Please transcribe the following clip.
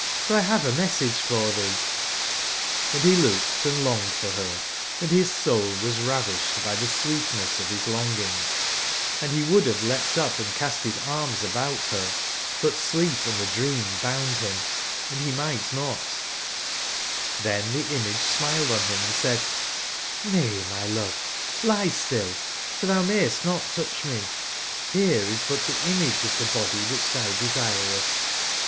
for 1 bave a message for tbee/* Hnd be loohedand longed for ber, and bis soul was ravisbcd by tbe sweetness of bis longing, and bewould bave leapt upand cast bis arms about ber, but sleep and tbe dream bound bim, & bemigbt not, ITben tbe image smiled on bim and said: *' JSay, my love, lie still, for tbou mayst not toucb me: bere is but tbe image of tbe body wbicb tbou desirest.